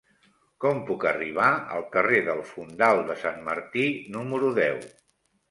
Com puc arribar al carrer del Fondal de Sant Martí número deu?